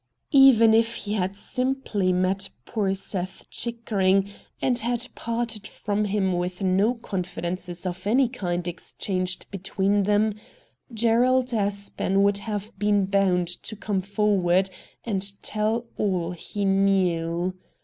Even if he had simply met poor Seth Chickering and had parted from him with no confidences of any kind exchanged between them, Gerald Aspen would have been bound to come forward and tell all he knew.